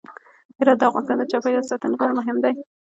هرات د افغانستان د چاپیریال ساتنې لپاره مهم دی.